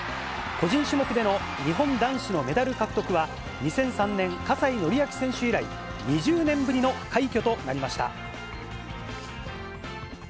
個人種目での日本男子のメダル獲得は、２００３年、葛西紀明選手以来、２０年ぶりの快挙となりました。